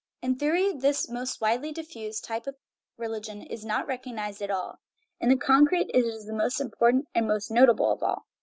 In theory this most widely diffused type of religion is not recognized at all; in the concrete it is the most important and most notable of all.